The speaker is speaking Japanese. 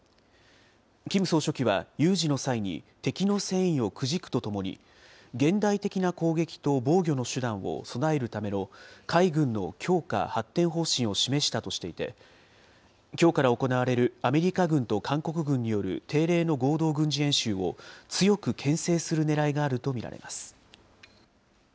キム総書記は有事の際に、敵の戦意をくじくとともに、現代的な攻撃と防御の手段を備えるための海軍の強化・発展方針を示したとしていて、きょうから行われるアメリカ軍と韓国軍による定例の合同軍事演習を強くけん制するねらいがあると見られます。